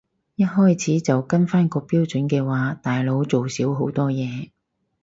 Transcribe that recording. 一開始就跟返個標準嘅話大佬做少好多嘢